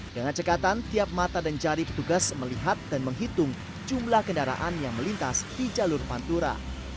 dengan cekatan tiap mata dan jari petugas melihat dan menghitung jumlah kendaraan yang melintas di jalur pantura